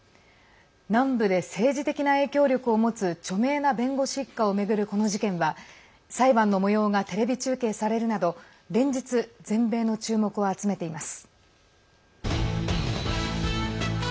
南部で政治的な影響力を持つ著名な弁護士一家を巡るこの事件は裁判のもようがテレビ中継されるなど連日、全米の注目を集めています。